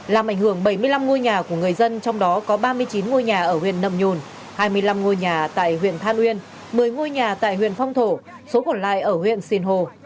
làm ảnh hưởng bảy mươi năm ngôi nhà của người dân trong đó có ba mươi chín ngôi nhà ở huyện nâm nhồn hai mươi năm ngôi nhà tại huyện than uyên một mươi ngôi nhà tại huyện phong thổ số còn lại ở huyện sìn hồ